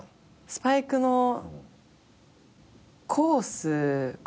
スパイクのコースかな？